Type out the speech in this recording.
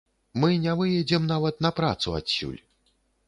Мы не выедзем нават на працу адсюль.